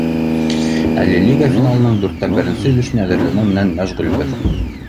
Әле лига финалының дүрттән беренсе өлөшөнә әҙерләнеү менән мәшғүлбеҙ.